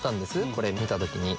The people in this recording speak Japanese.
これ見た時に。